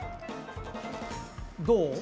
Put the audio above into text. どう？